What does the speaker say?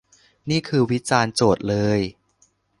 นี่คือวิจารณ์โจทย์เลย